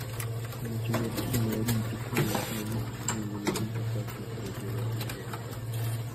Umukinnyi wa firime yariye igikona inshuro nyinshi kubera ibintu byose atatekereje yavuze